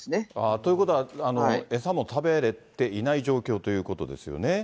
ということは、餌も食べれていない状況ということですよね。